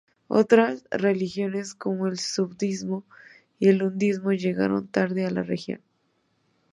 Otras religiones, como el budismo y el hinduismo, llegaron tarde a la región.